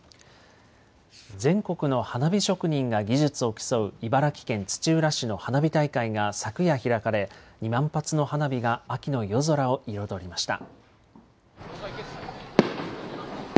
全国の花火職人が技術を競う茨城県土浦市の花火大会が昨夜開かれ、２万発の花火が秋の夜空を彩りました。